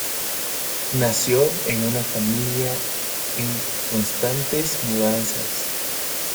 Nació en una familia en constantes mudanzas.